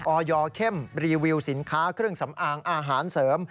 ออยเข้มรีวิวสินค้าเครื่องสำอางอาหารเสริม